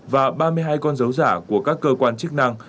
và ba mươi hai con dấu giả của các cơ quan chức năng